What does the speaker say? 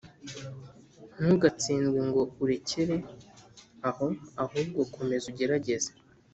ntugatsindwe ngo urekere aho ahubwo komeza ugerageze